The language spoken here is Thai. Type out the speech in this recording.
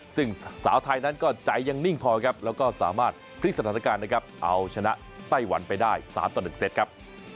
ซึ่งสาวไทยนั้นก็ใจยังนิ่งพอครับแล้วก็สามารถพลิกสถานการณ์นะครับเอาชนะไต้หวันไปได้๓ต่อ๑เซตครับ